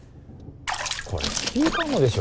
これスピーカーもでしょ？